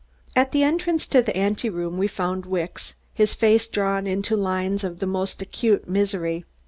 At the entrance to the anteroom we found Wicks, his face drawn into lines of the most acute misery.